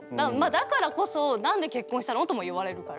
だからこそ「何で結婚したの？」とも言われるから。